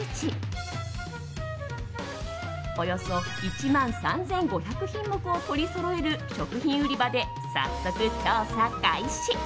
およそ１万３５００品目を取りそろえる食品売り場で早速、調査開始。